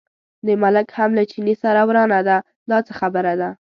د ملک هم له چیني سره ورانه ده، دا څه خبره ده.